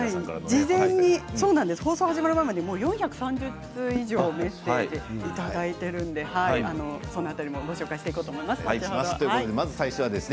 事前に４３０通以上メッセージをいただいていますのでその辺りもご紹介していきたいと思います。